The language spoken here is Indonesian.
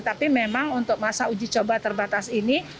tapi memang untuk masa uji coba terbatas ini